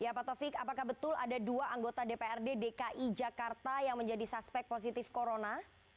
ya pak taufik apakah betul ada dua anggota dprd dki jakarta yang menjadi suspek positif corona